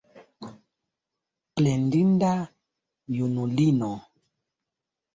Plendinda junulino!